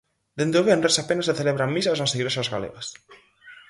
Dende o venres apenas se celebran misas nas igrexas galegas.